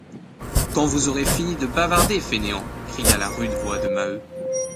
Quand vous aurez fini de bavarder, fainéants! cria la rude voix de Maheu.